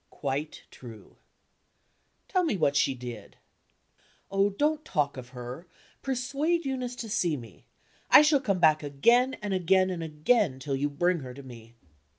"Quite true." "Tell me what she did. "Oh, don't talk of her! Persuade Eunice to see me. I shall come back again, and again, and again till you bring her to me."